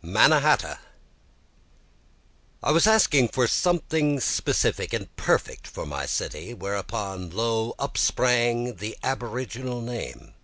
Mannahatta I was asking for something specific and perfect for my city, Whereupon lo! upsprang the aboriginal name.